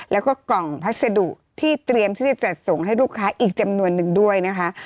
แล้วก็กล่องพัสดุที่เตรียมที่จะจัดส่งให้ลูกค้าอีกจำนวนนึงด้วยนะคะ